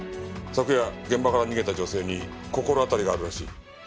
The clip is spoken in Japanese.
昨夜現場から逃げた女性に心当たりがあるらしい。